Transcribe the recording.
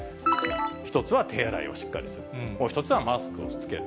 １つは手洗いをしっかりする、もう１つはマスクを着ける。